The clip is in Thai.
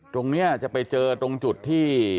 ตรงนี้จะไปเจอตรงจุดที่